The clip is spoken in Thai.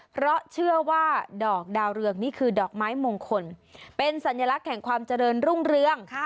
เพราะเชื่อว่าดอกดาวเรืองนี่คือดอกไม้มงคลเป็นสัญลักษณ์แห่งความเจริญรุ่งเรือง